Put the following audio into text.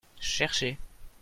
Cherchez.